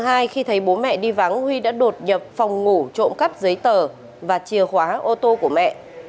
khi thấy bố mẹ đi vắng huy đã đột nhập phòng ngủ trộm cắp giấy tờ và chìa khóa ô tô của mẹ